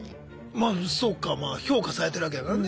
まあそうかまあ評価されてるわけだからね。